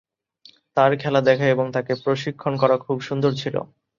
তার খেলা দেখা এবং তাকে প্রশিক্ষণ করা খুব সুন্দর ছিল।